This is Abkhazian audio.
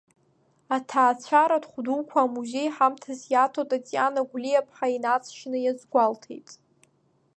Аҭаацәаратә хәдуқәа амузеи ҳамҭас иаҭо, Татиана Гәлиаԥҳа инаҵшьны иазгәалҭеит…